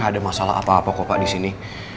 gak ada masalah apa apa kok pak disini